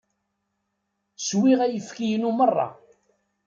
Swiɣ ayefki-inu merra.